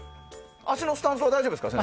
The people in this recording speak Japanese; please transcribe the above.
足のスタンスは大丈夫ですか？